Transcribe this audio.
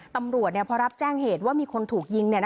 ตำรวจพอรับแจ้งเหตุว่ามีคนถูกยิง